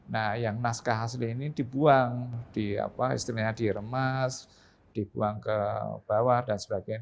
nah yang naskah asli ini dibuang istilahnya diremas dibuang ke bawah dan sebagainya